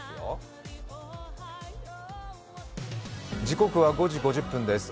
時刻は５時５０分です。